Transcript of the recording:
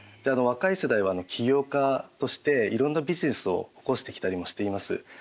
若い世代は企業家としていろんなビジネスを起こしてきたりもしています。